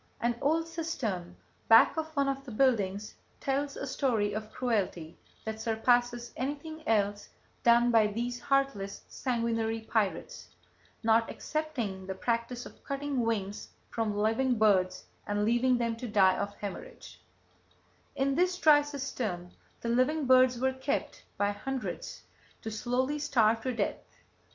[Page 141] SHED FILLED WITH WINGS OF SLAUGHTERED BIRDS ON LAYSAN ISLAND "An old cistern back of one of the buildings tells a story of cruelty that surpasses anything else done by these heartless, sanguinary pirates, not excepting the practice of cutting wings from living birds and leaving them to die of hemorrhage. In this dry cistern the living birds were kept by hundreds to slowly starve to death.